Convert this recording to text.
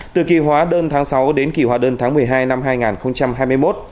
từ kỳ hóa đơn tháng sáu đến kỳ hóa đơn tháng một mươi hai năm hai nghìn hai mươi một